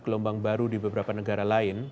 gelombang baru di beberapa negara lain